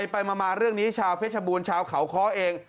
ไปมาเรื่องนี้ชาวเพชรบูรณชาวเขาค้อเอง